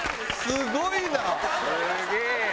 「すげえな！」